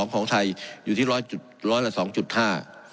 ของไทยอยู่ที่๑๐๐ละ๒๕